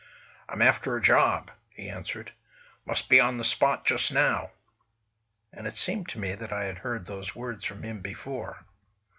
"I'm after a job," he answered. "Must be on the spot just now." And it seemed to me that I had heard those words from him before.